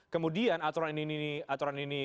kemudian aturan ini